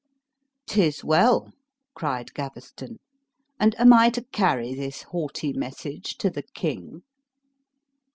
"'Tis well," cried Gaveston; "and I am to carry this haughty message to the king?"